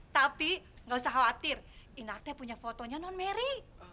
tapi gak usah khawatir ina teh punya fotonya non merry